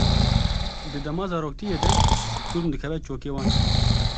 Di dema zaroktiyê de kurm dikeve çokê wan.